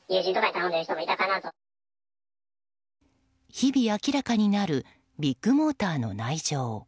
日々、明らかになるビッグモーターの内情。